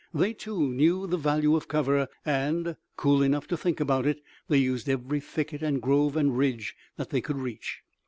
They, too, knew the value of cover and, cool enough to think about it, they used every thicket, and grove and ridge that they could reach.